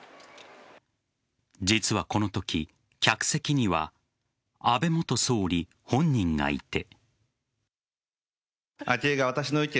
実はこのとき、客席には安倍元総理本人がいて。